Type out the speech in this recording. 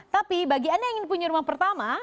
tapi bagi anda yang ingin punya rumah pertama